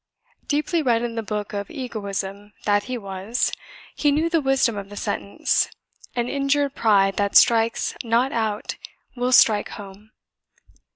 Deeply read in the Book of Egoism that he was, he knew the wisdom of the sentence: An injured pride that strikes not out will strike home.